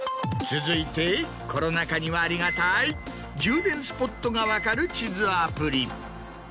続いてコロナ禍にはありがたい充電スポットが分かる地図アプリ。